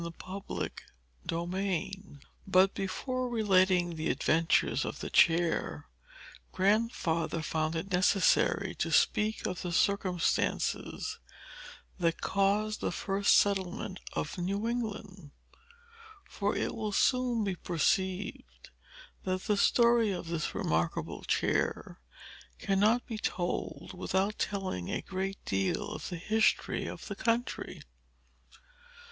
Chapter II But, before relating the adventures of the chair, Grandfather found it necessary to speak of the circumstances that caused the first settlement of New England. For it will soon be perceived that the story of this remarkable chair cannot be told without telling a great deal of the history of the country.